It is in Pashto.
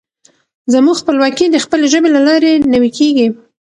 زموږ خپلواکي د خپلې ژبې له لارې نوي کېږي.